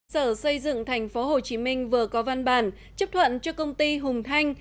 sở xây dựng thành phố hồ chí minh vừa có văn bản chấp thuận cho công ty hùng thanh